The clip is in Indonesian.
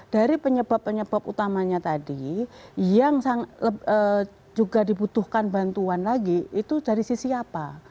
dari penyebab penyebab utamanya tadi yang juga dibutuhkan bantuan lagi itu dari sisi apa